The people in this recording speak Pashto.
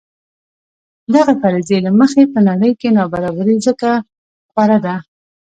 دغې فرضیې له مخې په نړۍ کې نابرابري ځکه خوره ده.